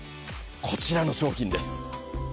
こちらの商品です。